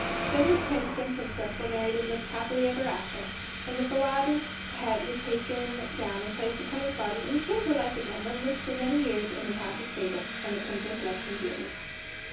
Then the Prince and Princess were married and lived happily ever after, and Falada's head was taken down and placed upon his body and he came to life again and lived for many years in the castle stable, and the Princess loved him dearly.